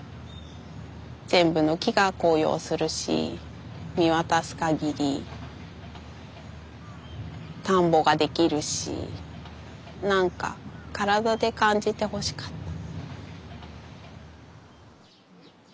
全部の木が紅葉するし見渡す限り田んぼができるし何か体で感じてほしかった。